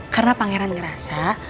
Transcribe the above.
karena pangeran ngerasa